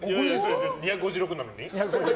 ２５６なのに？